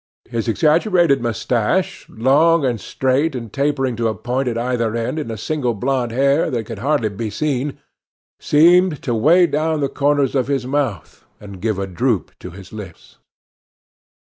His exaggerated mustache, long and straight and tapering to a point at either end in a single blond hair that could hardly be seen, seemed to weigh down the corners of his mouth and give a droop to his lips.